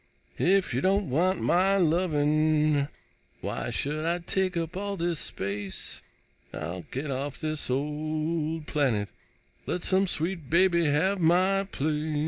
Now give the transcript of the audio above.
If you don't want my lovin', Why should I take up all this space? I'll get off this old planet, Let some sweet baby have my place.